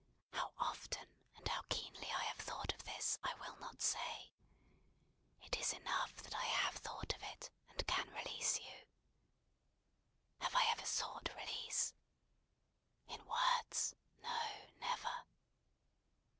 How often and how keenly I have thought of this, I will not say. It is enough that I have thought of it, and can release you." "Have I ever sought release?" "In words. No. Never."